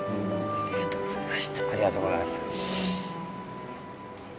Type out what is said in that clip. ありがとうございます。